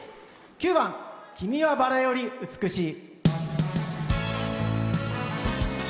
９番「君は薔薇より美しい」。